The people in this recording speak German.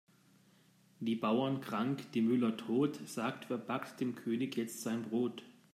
Die Bauern krank, die Müller tot, sagt wer backt dem König jetzt sein Brot?